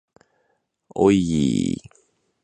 おいいい